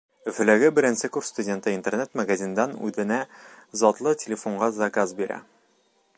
Өфөләге беренсе курс студенты интернет-магазиндан үҙенә затлы телефонға заказ бирә.